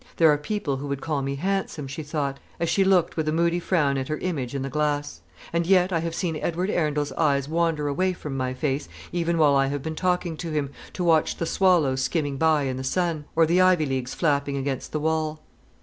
"There are people who would call me handsome," she thought, as she looked with a moody frown at her image in the glass; "and yet I have seen Edward Arundel's eyes wander away from my face, even while I have been talking to him, to watch the swallows skimming by in the sun, or the ivy leaves flapping against the wall."